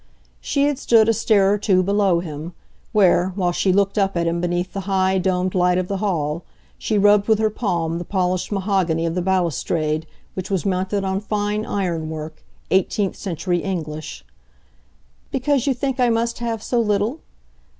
She had stood a stair or two below him; where, while she looked up at him beneath the high, domed light of the hall, she rubbed with her palm the polished mahogany of the balustrade, which was mounted on fine ironwork, eighteenth century English. "Because you think I must have so little?